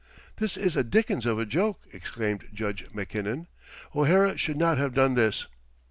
"This is a dickens of a joke!" exclaimed Judge Mackinnon. "O'Hara should not have done this!"